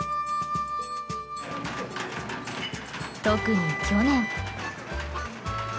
特に去年。